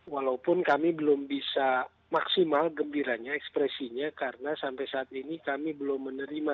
walaupun kami belum bisa maksimal gembiranya ekspresinya karena sampai saat ini kami belum menerima